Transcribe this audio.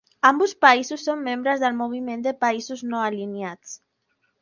Ambdós països són membres del Moviment de Països No Alineats.